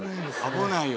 危ないよ。